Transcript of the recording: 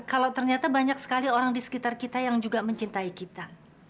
kalau ternyata banyak sekali orang di sekitar kita yang juga mencintai kita